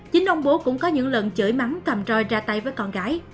chính ông bố cũng có những lần chửi mắm cầm tròi ra tay với con gái